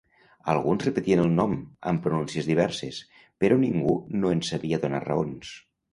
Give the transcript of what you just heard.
Alguns repetien el nom, amb pronúncies diverses, però ningú no en sabia donar raons.